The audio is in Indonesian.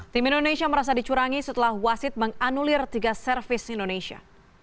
tim indonesia merasa dicurangi setelah wasit menganulir tiga servis indonesia